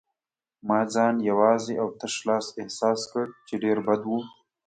ما ځان یوازې او تش لاس احساس کړ، چې ډېر بد و.